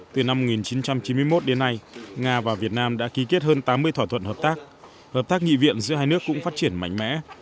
từ năm một nghìn chín trăm chín mươi một đến nay nga và việt nam đã ký kết hơn tám mươi thỏa thuận hợp tác hợp tác nghị viện giữa hai nước cũng phát triển mạnh mẽ